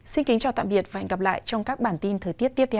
xin kính chào tạm biệt và hẹn gặp lại trong các bản tin thời tiết tiếp theo